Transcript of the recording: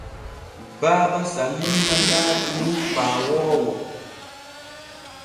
Baaba Saliima laati nun paawoowo.